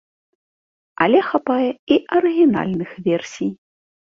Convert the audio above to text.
Але хапае і арыгінальных версій.